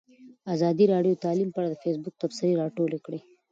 ازادي راډیو د تعلیم په اړه د فیسبوک تبصرې راټولې کړي.